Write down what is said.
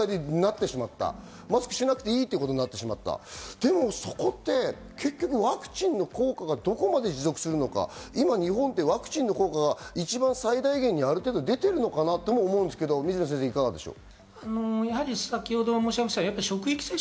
でもそこって結局ワクチンの効果がどこまで持続するのか、今、日本はワクチンの効果が最大限に出ているのかなとも思うんですが、いかがでしょう？